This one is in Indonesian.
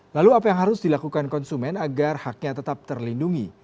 lalu apa yang harus dilakukan konsumen agar haknya tetap terlindungi